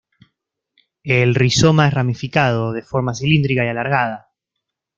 El rizoma es ramificado, de forma cilíndrica y alargada.